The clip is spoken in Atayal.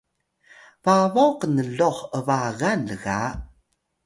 babaw knluh ’bagan lga